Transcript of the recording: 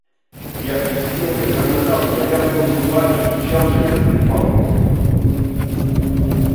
Я свистел, я громыхал, я лязгал зубами и стучал железной палкой.